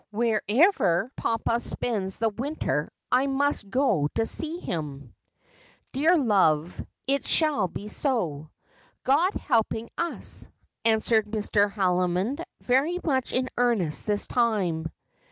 Wherever papa spends the winter I must go to see him.' 'Dear love, it shall be so, God helping us/ answered Mr. Haldimond, very much in earnest this time.